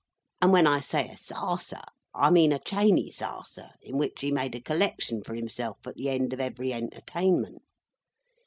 And when I say a sarser, I mean a Chaney sarser in which he made a collection for himself at the end of every Entertainment.